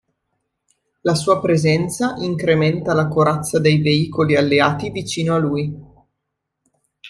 La sua presenza incrementa la corazza dei veicoli alleati vicini a lui.